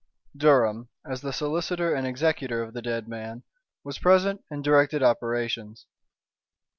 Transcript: Durham, as the solicitor and executor of the dead man, was present and directed operations.